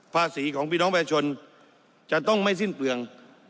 ภาษีของพี่น้องประชาชนจะต้องไม่สิ้นเปลือง